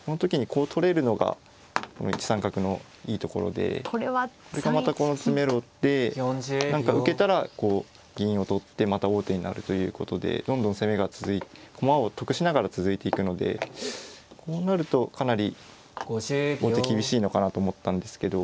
でまたこの詰めろで何か受けたらこう銀を取ってまた王手になるということでどんどん攻めが続いて駒を得しながら続いていくのでこうなるとかなり後手厳しいのかなと思ったんですけど。